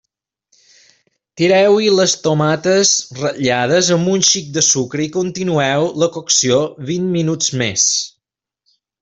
Tireu-hi les tomates ratllades amb un xic de sucre i continueu la cocció vint minuts més.